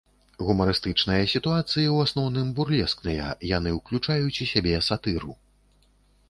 Гумарыстычныя сітуацыі ў асноўным бурлескныя, яны ўключаюць ў сябе сатыру.